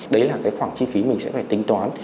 đấy là khoảng chi phí mình sẽ phải tính toán